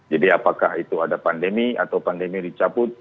jadi apakah itu ada pandemi atau pandemi dicaput